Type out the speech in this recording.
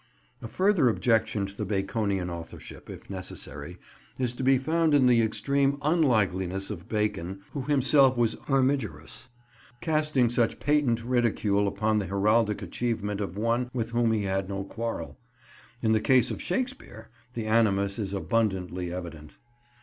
A further objection to the Baconian authorship, if necessary, is to be found in the extreme unlikeliness of Bacon, who himself was armigerous, casting such patent ridicule upon the heraldic achievement of one with whom he had no quarrel. In the case of Shakespeare, the animus is abundantly evident.